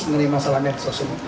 mengenai masalah metode sosial